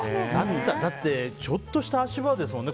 だって、ちょっとした足場ですもんね。